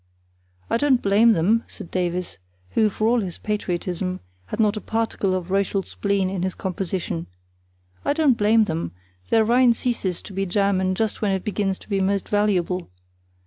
"I don't blame them," said Davies, who, for all his patriotism, had not a particle of racial spleen in his composition. "I don't blame them; their Rhine ceases to be German just when it begins to be most valuable.